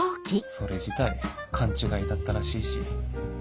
それ自体勘違いだったらしいし